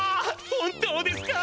本当ですか？